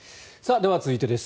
では、続いてです。